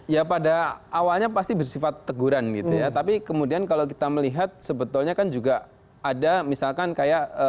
ya pada awalnya pasti bersifat teguran gitu ya tapi kemudian kalau kita melihat sebetulnya kan juga ada misalkan ada yang berkata bahwa bpk tidak bisa mengelola